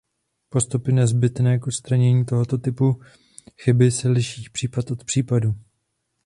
Postupy nezbytné k odstranění tohoto typu chyby se liší případ od případu.